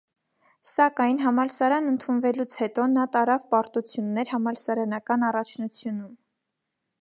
Սակայն, համալսարան ընդունվելուց հետո, նա տարավ պարտություններ համալսարանական առաջնությունում։